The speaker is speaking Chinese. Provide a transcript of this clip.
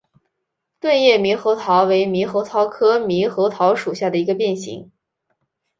钝叶猕猴桃为猕猴桃科猕猴桃属下的一个变型。